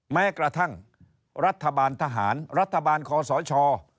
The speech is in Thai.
แม้กระทั่งรัฐบาลทหารรัฐบาลคอสช